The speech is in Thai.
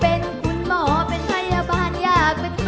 เป็นครูเป็นหมอเป็นบ้านนักงานของรัฐ